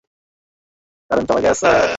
Current চলে গেছে।